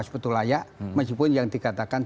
sebetulnya layak meskipun yang dikatakan